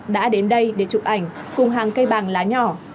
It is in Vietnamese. đã đến đây để chụp ảnh cùng hàng cây bàng lá nhỏ